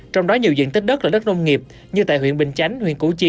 trong đó nhiều diện tích đất là đất nông nghiệp như tại huyện bình chánh huyện củ chi